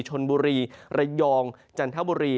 ชนบุรีระยองจันทบุรี